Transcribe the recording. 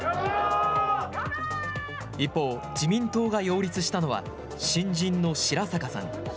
一方、自民党が擁立したのは新人の白坂さん。